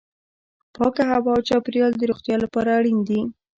پاکه هوا او چاپیریال د روغتیا لپاره اړین دي.